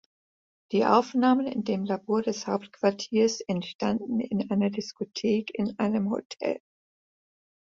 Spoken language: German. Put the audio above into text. Die Aufnahmen in dem Labor des Hauptquartiers entstanden in einer Discothek in einem Hotel.